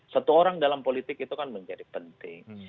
satu orang dalam politik itu kan menjadi penting